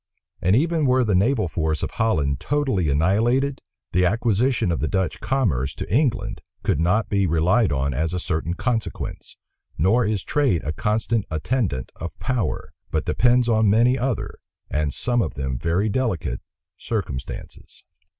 And even were the naval force of Holland totally annihilated, the acquisition of the Dutch commerce to England could not be relied on as a certain consequence; nor is trade a constant attendant of power, but depends on many other, and some of them very delicate, circumstances.